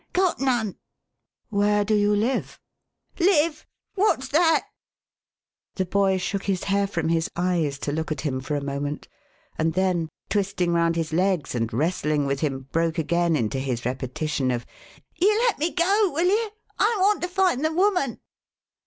"Got none." "Where do you live?" "Live! What's that?" The boy shook his hair from his eye> to look at him for a moment, and then, twisting round his legs and wrestling with him, broke again into his repetition of "You let me go, will you ? I want to find the woman."